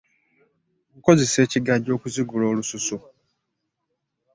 Nkozesa ekigaji okuzigula olususu.